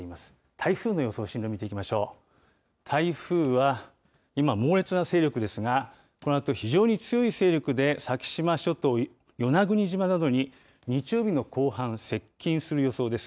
台風は今、猛烈な勢力ですが、このあと非常に強い勢力で、先島諸島、与那国島などに日曜日の後半、接近する予想です。